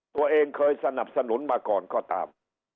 ตัวเองเคยสนับสนุนมาก่อนก็ตาม